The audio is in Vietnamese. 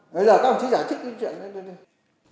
bây giờ các ông chí giải thích cái chuyện này